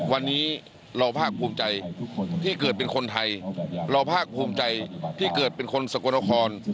วันนี้เราภาคภูมิใจที่เกิดเป็นคนไทยเราภาคภูมิใจที่เกิดเป็นคนสกลนคร